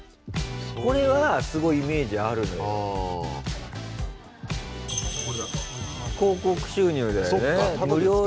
これはすごいイメージあるのよ。